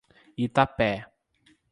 Itapé